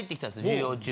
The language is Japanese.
授業中。